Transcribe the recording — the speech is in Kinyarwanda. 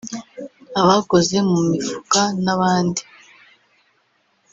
abakoze mu mifuka n’abandi